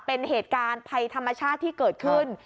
เป็นเหตุการณ์ภัยธรรมชาติที่เกิดขึ้น